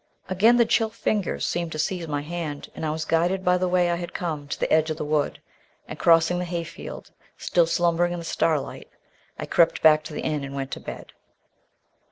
Again the chill fingers seemed to seize my hand, and I was guided by the way I had come to the edge of the wood, and crossing the hayfield still slumbering in the starlight, I crept back to the inn and went to bed.